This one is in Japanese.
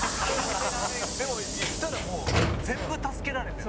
でも、行ったらもう全部助けられてね。